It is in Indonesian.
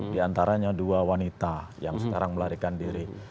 di antaranya dua wanita yang sekarang melarikan diri